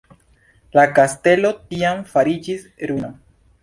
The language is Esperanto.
La kastelo tiam fariĝis ruino.